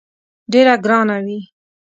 ډېره ګرانه وي.